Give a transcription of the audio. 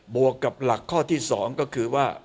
วกกับหลักข้อที่๒ก็คือว่า